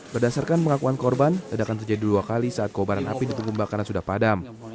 berdasarkan pengakuan korban ledakan terjadi dua kali saat kobaran api di tugu bakaran sudah padam